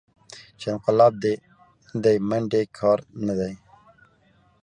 چې انقلاب دې منډې کار نه دى.